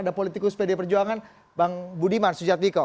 ada politikus pdi perjuangan bang budiman sujadwiko